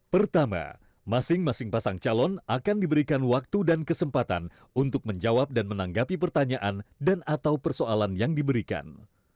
pertama masing masing pasang calon akan diberikan waktu dan kesempatan untuk menjawab dan menanggapi pertanyaan dan atau persoalan yang diberikan